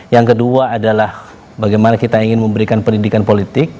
yang kedua adalah bagaimana kita ingin memberikan pendidikan politik